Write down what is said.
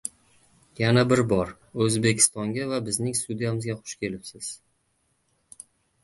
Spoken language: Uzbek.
Yana bir bor, Oʻzbekistonga va bizning studiyamizga xush kelibsiz.